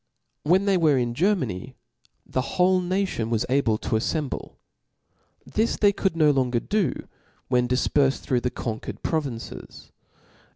When they were in Germany, the whole nation was able to af femblc. This they could no longer do, whea difpcrfed through the conquered provinces.